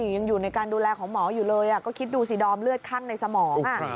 ยังอยู่ในการดูแลของหมออยู่เลยก็คิดดูสิดอมเลือดข้างในสมอง